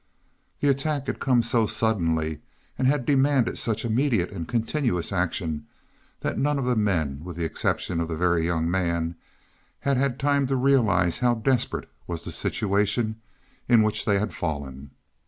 The attack had come so suddenly, and had demanded such immediate and continuous action that none of the men, with the exception of the Very Young Man, had had time to realize how desperate was the situation in which they had fallen.